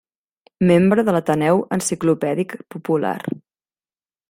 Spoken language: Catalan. Membre de l'Ateneu Enciclopèdic Popular.